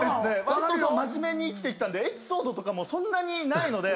真面目に生きてきたんでエピソードとかもそんなにないので。